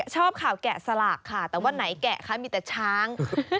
ชอบข่าวแกะสลากค่ะแต่ว่าไหนแกะคะมีแต่ช้าง